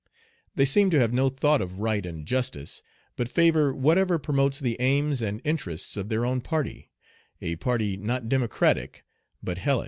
They seem to have no thought of right and justice, but favor whatever promotes the aims and interests of their own party, a party not Democratic but hellish.